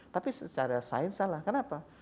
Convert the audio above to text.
tapi secara sains salah kenapa